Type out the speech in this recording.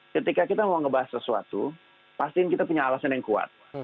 ketika kita mau ngebahas sesuatu pasti kita punya alasan yang kuat